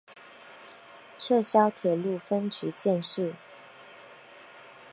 撤销铁路分局建制。